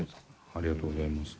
ありがとうございます。